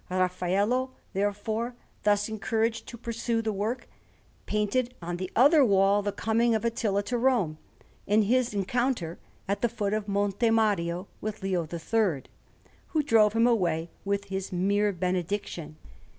Raffaello, therefore, thus encouraged to pursue the work, painted on the other wall the Coming of Attila to Rome, and his encounter at the foot of Monte Mario with Leo III, who drove him away with his mere benediction.